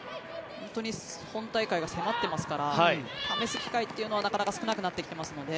本当に本大会が迫っていますから試す機会というのは、なかなか少なくなってきてますので。